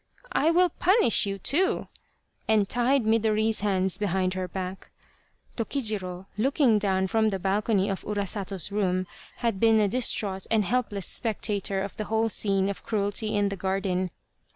" I will punish you too," and tied Midori's hands behind her back. Tokijiro, looking down from the balcony of Urasato's room, had been a distraught and helpless spectator of the whole scene of cruelty in the garden.